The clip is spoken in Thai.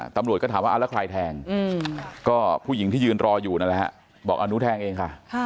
ตำรวจก็ถามว่าแล้วใครแทงก็ผู้หญิงที่ยืนรออยู่นั่นแหละฮะบอกอนุแทงเองค่ะ